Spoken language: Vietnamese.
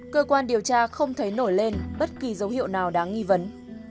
cơ quan điều tra không thấy nổi lên bất kỳ dấu hiệu nào đáng nghi vấn